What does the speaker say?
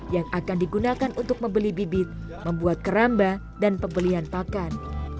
yang akan digunakan untuk membeli bibit membuat keramba dan pembelian pakan